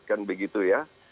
kan begitu ya